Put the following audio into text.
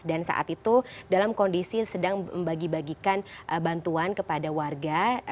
dan saat itu dalam kondisi sedang membagi bagikan bantuan kepada warga